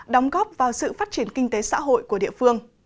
đóng góp vào sự phát triển kinh tế xã hội của địa phương